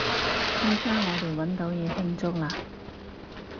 依加我哋搵到嘢慶祝喇！